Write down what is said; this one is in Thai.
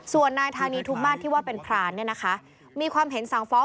ส่วนนายทานีทุกบ้านที่ว่าเป็นพรานมีความเห็นสั่งฟ้อง